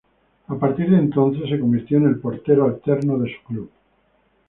A partir de entonces, se convirtió en el portero alterno de su club.